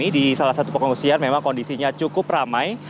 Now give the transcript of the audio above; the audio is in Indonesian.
di salah satu pengungsian memang kondisinya cukup ramai